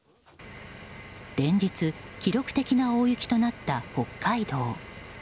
連日、記録的な大雪となった北海道。